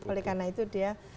oleh karena itu dia